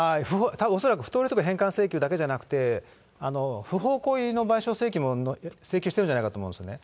恐らく不当利得返還請求だけじゃなくて、不法行為の賠償請求も請求してるんじゃないかと思うんですね。